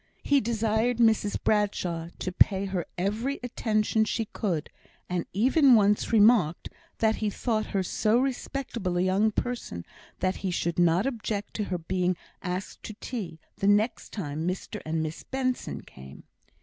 He desired Mrs Bradshaw to pay her every attention she could; and even once remarked, that he thought her so respectable a young person that he should not object to her being asked to tea the next time Mr and Miss Benson came.